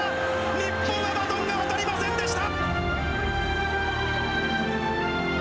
日本はバトンが渡りませんでした。